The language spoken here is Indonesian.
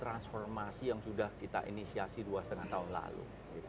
transformasi yang sudah kita inisiasi dua lima tahun lalu